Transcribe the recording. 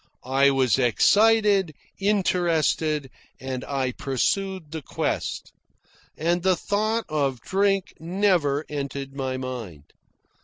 I was excited, interested, and I pursued the quest. And the thought of drink never entered my mind.